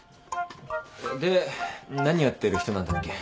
で何やってる人なんだっけ？